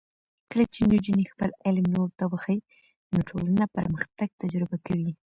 کله چې نجونې خپل علم نورو ته وښيي، نو ټولنه پرمختګ تجربه کوي.